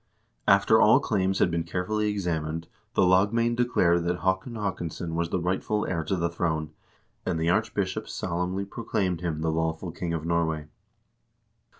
After all claims had been carefully examined, the lagmoend declared that Haakon Haakonsson was the rightful heir to the throne, and the archbishop solemnly proclaimed him the lawful king of Norway.